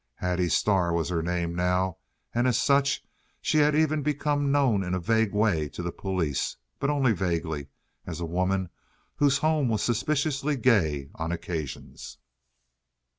Hattie Starr was her name now, and as such she had even become known in a vague way to the police—but only vaguely—as a woman whose home was suspiciously gay on occasions.